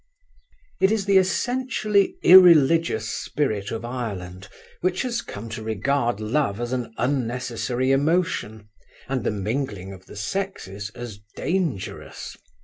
It is the essentially irreligious spirit of Ireland which has come to regard love as an unnecessary emotion and the mingling of the sexes as dangerous.